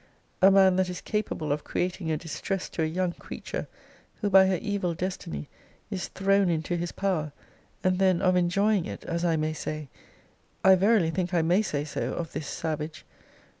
a man that is capable of creating a distress to a young creature, who, by her evil destiny is thrown into his power; and then of enjoying it, as I may say! [I verily think I may say so, of this savage!